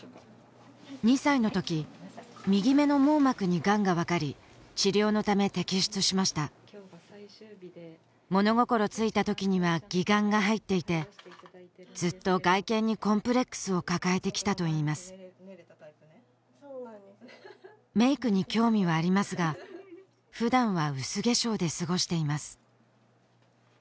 ２歳の時右目の網膜にがんが分かり治療のため摘出しました物心ついた時には義眼が入っていてずっと外見にコンプレックスを抱えてきたといいますメイクに興味はありますが普段は薄化粧ですごしています